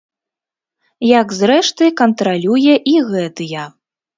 Як, зрэшты, кантралюе і гэтыя.